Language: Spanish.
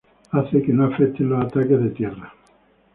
Hace que no afecten los ataques de tierra.